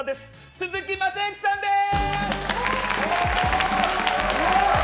鈴木雅之さんです！